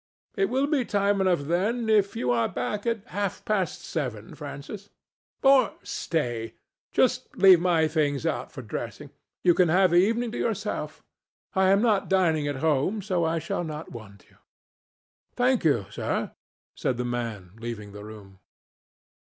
"It will be time enough, then, if you are back at half past seven, Francis. Or stay: just leave my things out for dressing. You can have the evening to yourself. I am not dining at home, so I shall not want you." "Thank you, sir," said the man, leaving the room.